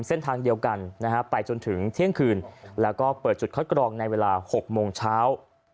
เส้นทางเดียวกันนะฮะไปจนถึงเที่ยงคืนแล้วก็เปิดจุดคัดกรองในเวลา๖โมงเช้า